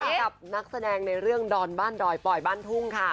สำหรับนักแสดงในเรื่องดอนบ้านดอยปล่อยบ้านทุ่งค่ะ